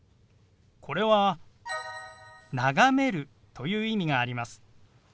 これは「眺める」という意味があります。